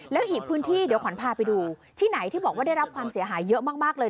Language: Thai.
แล้วอีกพื้นที่เดี๋ยวขวัญพาไปดูที่ไหนที่บอกว่าได้รับความเสียหายเยอะมากเลย